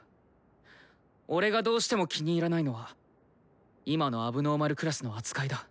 俺がどうしても気に入らないのは今の問題児クラスの扱いだ。